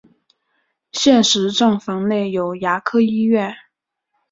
现时站房内有牙科医院。